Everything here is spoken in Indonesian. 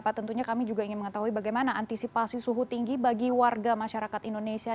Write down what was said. pak tentunya kami juga ingin mengetahui bagaimana antisipasi suhu tinggi bagi warga masyarakat indonesia